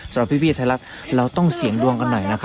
สำหรับพี่ไทยรัฐเราต้องเสี่ยงดวงกันหน่อยนะครับ